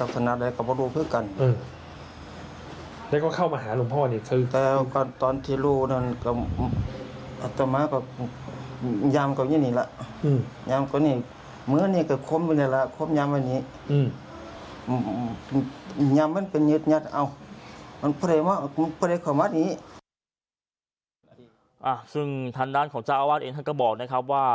ซึ่งทางด้านของเจ้าอาวาสเองท่านก็บอกนะครับว่า